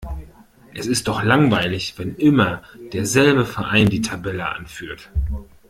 Es ist doch langweilig, wenn immer derselbe Verein die Tabelle anführt.